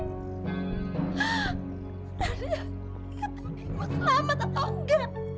gara gara mau selamat atau enggak